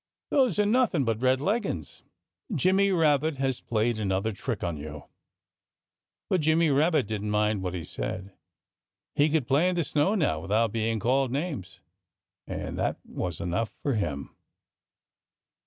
"Those are nothing but red leggins! Jimmy Rabbit has played another trick on you." But Jimmy Rabbit didn't mind what he said. He could play in the snow now without being called names. And that was enough for him.